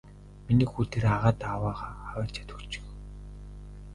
Миний хүү тэр агаадаа аваачаад өгчих.